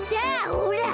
ほら。